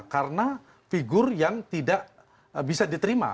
karena figure yang tidak bisa diterima